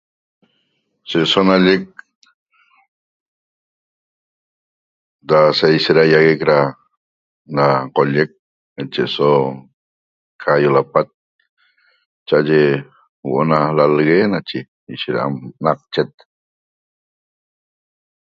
Se eso nalleq da saishet da collec nache eso cayo lapat cha aye huoo na lalegue nache ishet naqchet